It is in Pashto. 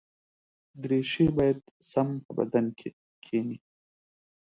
دریشي باید سم په بدن کې کېني.